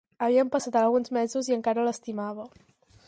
Havien passat alguns mesos i encara l'estimava.